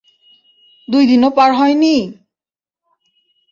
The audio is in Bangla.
দুইদিনও পার হয়নি!